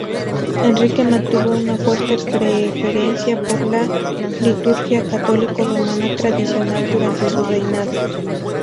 Enrique mantuvo una fuerte preferencia por la liturgia católico-romana tradicional durante su reinado.